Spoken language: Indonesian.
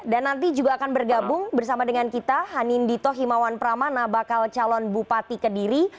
dan nanti juga akan bergabung bersama dengan kita hanindito himawan pramana bakal calon bupati kediri